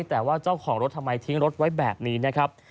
แต่ว่าเจ้าของรถทำไมทิ้งรถไว้แบบนี้นะครับ